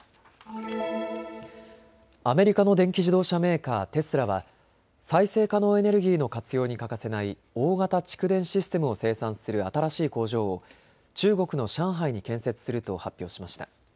アメリカの電気自動車メーカー、テスラは再生可能エネルギーの活用に欠かせない大型蓄電システムを生産する新しい工場を中国の上海に建設すると発表しました。